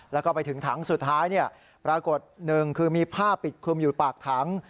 แล้วก็ไปถึงถังสุดท้ายปรากฏหนึ่งคือมีผ้าปิดคลุมอยู่ปากถัง